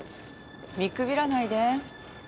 見くびらないで。